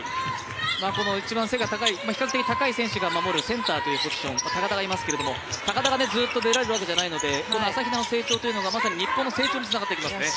この一番背の高い比較的、背の高い選手が守る、センターというポジション高田がいますけども高田が、ずっと出られるわけじゃないので、朝比奈の成長がまさに日本の成長につながってきますね。